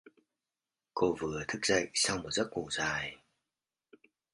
Cô vừa thức dậy sau một giấc ngủ dài